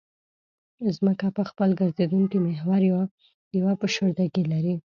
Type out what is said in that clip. ځمکه په خپل ګرځېدونکي محور یوه فشردګي لري